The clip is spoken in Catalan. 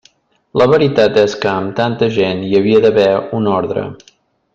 La veritat és que amb tanta gent hi havia d'haver un ordre.